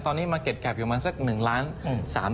ตอนนี้มาเก็ดแก๊บอยู่มันเมื่อสัก๑ล้าน